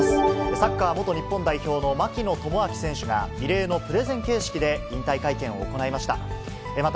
サッカー元日本代表の槙野智章選手が、異例のプレゼン形式で引退会見を行いました。